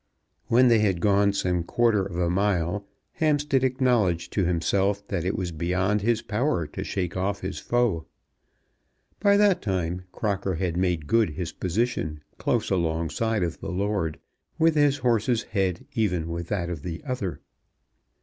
When they had gone some quarter of a mile Hampstead acknowledged to himself that it was beyond his power to shake off his foe. By that time Crocker had made good his position close alongside of the lord, with his horse's head even with that of the other.